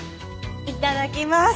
いただきます。